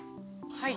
はい。